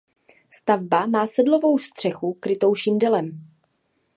Stavba má sedlovou střechu krytou šindelem.